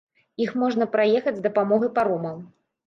Іх можна праехаць з дапамогай паромаў.